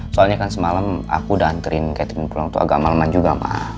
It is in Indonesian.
soalnya kan semalam aku udah anterin catherine pulang tuh agak maleman juga ma